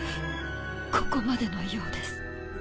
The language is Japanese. ここまでのようです。